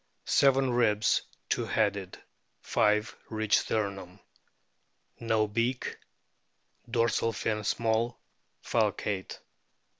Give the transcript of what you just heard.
Seven ribs two headed ; five reach sternum. No beak. Dorsal fin small, falcate.